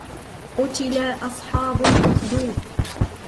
قُتِلَ أَصْحَابُ الْأُخْدُودِ